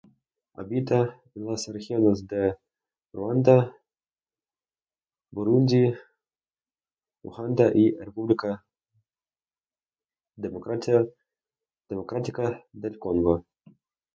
Habita en las regiones de Rwanda, Burundi, Uganda y la República Democrática del Congo.